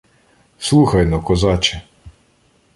— Слухай-но, козаче.